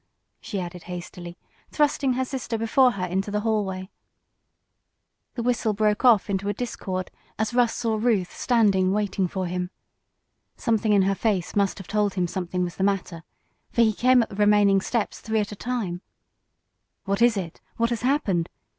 she added hastily, thrusting her sister before her into the hallway. The whistle broke off into a discord as Russ saw Ruth standing waiting for him. Something in her face must have told him something was the matter, for he came up the remaining steps three at a time. "What is it? What has happened?"